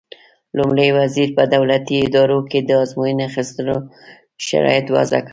لومړي وزیر په دولتي ادارو کې د ازموینې اخیستو شرایط وضع کړل.